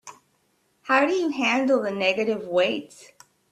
How do you handle the negative weights?